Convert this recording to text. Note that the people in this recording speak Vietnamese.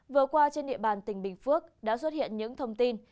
vừa qua trên địa bàn tỉnh bình phước đã xuất hiện những thông tin